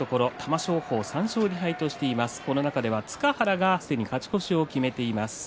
玉正鳳は３勝２敗塚原がすでに勝ち越しを決めています。